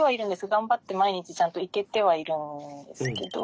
頑張って毎日ちゃんと行けてはいるんですけどこう。